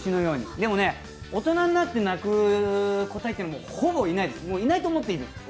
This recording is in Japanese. でも大人になって鳴く個体というのは、ほぼいないです、いないと思っていいです。